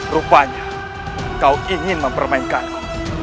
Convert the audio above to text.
rupanya kau ingin mempermainkanku